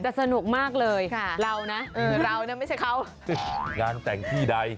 แต่สนุกมากเลยเรานะเรานะไม่ใช่เขางานแต่งที่ใด